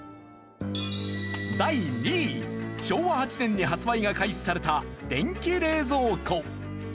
第２位昭和８年に発売が開始された電気冷蔵庫。